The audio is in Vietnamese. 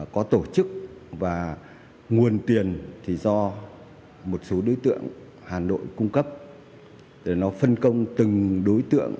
có tổ chức và nguồn tiền thì do một số đối tượng hà nội cung cấp để nó phân công từng đối tượng